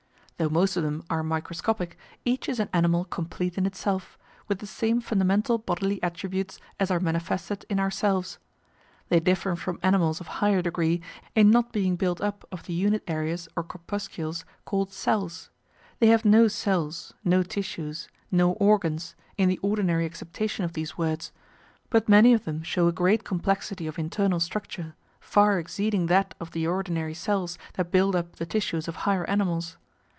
Though most of them are microscopic, each is an animal complete in itself, with the same fundamental bodily attributes as are manifested in ourselves. They differ from animals of higher degree in not being built up of the unit areas or corpuscles called cells. They have no cells, no tissues, no organs, in the ordinary acceptation of these words, but many of them show a great complexity of internal structure, far exceeding that of the ordinary cells that build up the tissues of higher animals.